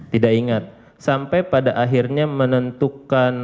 tidak ingat sampai pada akhirnya menentukan